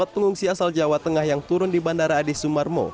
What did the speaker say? lima puluh empat pengungsi asal jawa tengah yang turun di bandara adis sumarmo